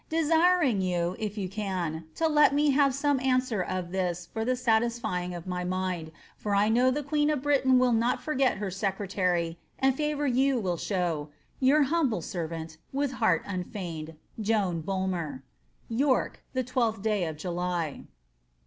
Desiring you, if you can, to let me have some answer of this for tlie satisfying of my mind, for I know the queen of Britain will not forget her secretary, and favour you will show, Your umbU tarvant^ With heart imfeigned, "Jovx BVUUB.' «Tork, the 12th day of July.'